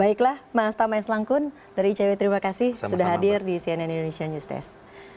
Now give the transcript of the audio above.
baiklah maastama eslangkun dari icw terima kasih sudah hadir di cnn indonesia news test